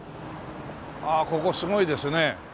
ああここすごいですね。